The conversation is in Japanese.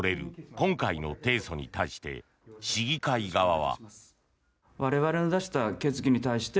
今回の提訴に対して市議会側は。